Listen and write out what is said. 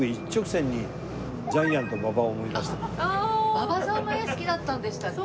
馬場さんも絵好きだったんでしたっけ？